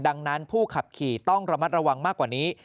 ดังนั้นผู้ขับขี่ต้องระมัดระวังมากกว่านี้